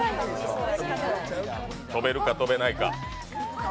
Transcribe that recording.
跳べるか跳べないか。